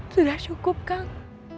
sudah cukup kak